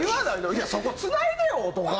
「いやそこつないでよ！」とか。